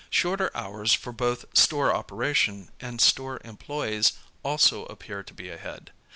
Shorter hours for both store operation and store employes also appear to be ahead.